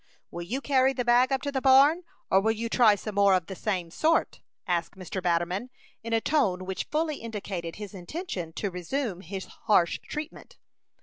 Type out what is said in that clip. "Will you carry the bag up to the barn, or will you try some more of the same sort?" asked Mr. Batterman, in a tone which fully indicated his intention to resume his harsh treatment.